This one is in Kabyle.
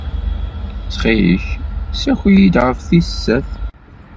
Ttxil-k, ssaki-iyi-d ɣef tis sat.